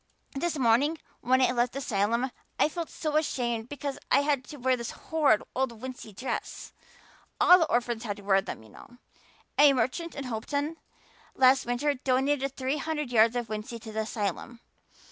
This morning when I left the asylum I felt so ashamed because I had to wear this horrid old wincey dress. All the orphans had to wear them, you know. A merchant in Hopeton last winter donated three hundred yards of wincey to the asylum.